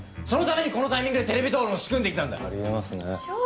そのためにこのタイミングでテレビ討論を仕組んできたんだ。